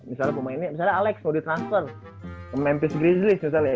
misalnya alex mau di transfer ke memphis grizzlies misalnya